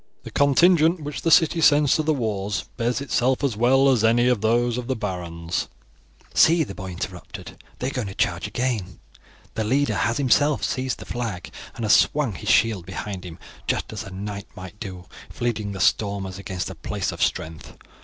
The contingent which the city sends to the wars bears itself as well as those of any of the barons." "See!" the boy interrupted, "they are going to charge again. Their leader has himself seized the flag and has swung his shield behind him, just as a knight might do if leading the stormers against a place of strength.